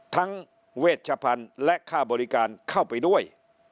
เวชพันธุ์และค่าบริการเข้าไปด้วย